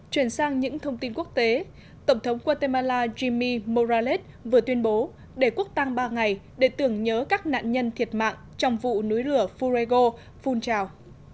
chuyển sang những thông tin quốc tế tổng thống guatemala jimi morales vừa tuyên bố để quốc tăng ba ngày để tưởng nhớ các nạn nhân thiệt mạng trong vụ núi lửa furego phun trào